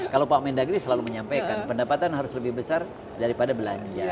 kalau pak mendagri selalu menyampaikan pendapatan harus lebih besar daripada belanja